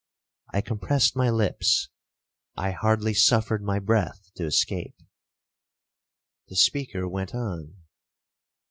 I compressed my lips,—I hardly suffered my breath to escape. 'The speaker went on.